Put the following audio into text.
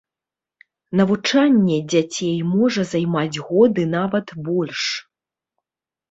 Навучанне дзяцей можа займаць год і нават больш.